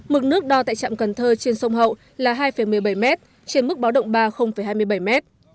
mực nước đo tại trạm cần thơ trên sông hậu là hai một mươi bảy m trên mức báo động ba hai mươi bảy m